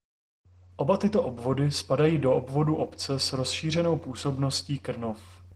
Oba tyto obvody spadají do obvodu obce s rozšířenou působností Krnov.